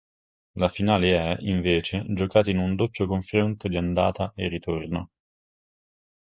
La finale è, invece, giocata in un doppio confronto di andata e ritorno.